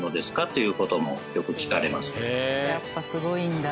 やっぱすごいんだ。